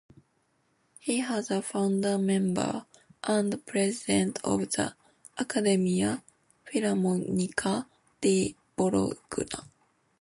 He was a founder-member and president of the Accademia Filarmonica di Bologna.